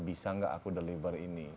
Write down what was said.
bisa nggak aku deliver ini